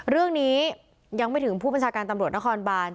เรื่องนี้ยังไม่ถึงผู้บัญชาการตำรวจนครบาน